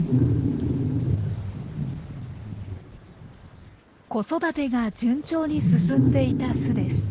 子育てが順調に進んでいた巣です。